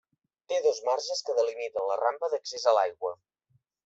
Té dos marges que delimiten la rampa d'accés a l'aigua.